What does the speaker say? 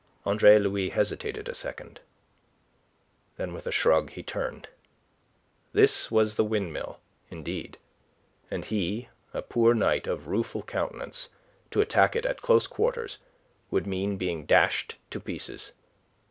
Andre Louis hesitated a second. Then with a shrug he turned. This was the windmill, indeed, and he a poor knight of rueful countenance. To attack it at closer quarters would mean being dashed to pieces.